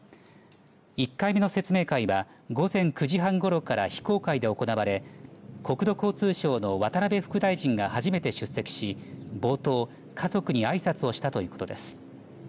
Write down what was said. １回目の説明会は午前９時半ごろから非公開で行われ国土交通省の渡辺副大臣が初めて出席し冒頭、家族にあいさつをしたということです。